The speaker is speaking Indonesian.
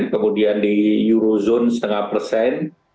kemudian di eurozone setengah persen